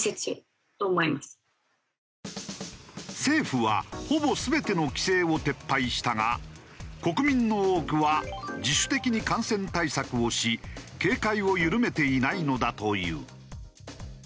政府はほぼ全ての規制を撤廃したが国民の多くは自主的に感染対策をし警戒を緩めていないのだという。